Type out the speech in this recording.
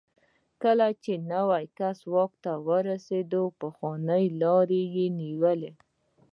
کله چې نوی کس واک ته رسېدلی، د پخواني لار یې نیولې.